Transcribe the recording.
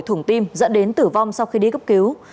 thùng tim dẫn đến tử vong sau khi đi cấp cứu